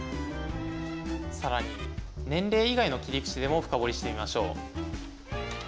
さらに年齢以外の切り口でも深掘りしてみましょう。